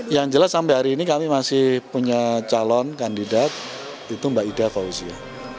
yang jelas sampai hari ini kami masih punya calon kandidat itu mbak ida fauzia